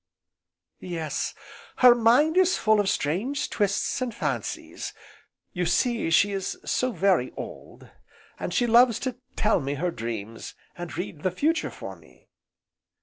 "Yes, her mind is full of strange twists, and fancies, you see she is so very old, and she loves to tell me her dreams, and read the future for me."